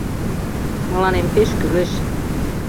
Мыланем пеш кӱлеш...